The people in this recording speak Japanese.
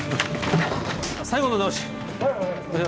最後の直し！